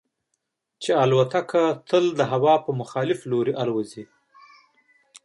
چې الوتکه تل د هوا په مخالف جهت الوتنه کوي.